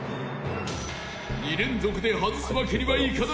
２連続で外すわけにはいかない宮田